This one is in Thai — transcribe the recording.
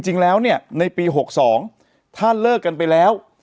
ในปี๖๒ถ้าเลิกกันไปแล้ว